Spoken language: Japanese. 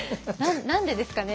何でですかね？